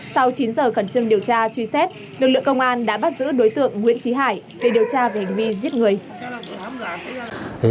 sau chín giờ khẩn trương điều tra truy xét lực lượng công an đã bắt giữ đối tượng nguyễn trí hải để điều tra về hành vi giết người